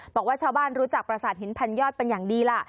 บอกว่าชาวบ้านรู้จักประสาทหินพันยอดเป็นอย่างดีล่ะ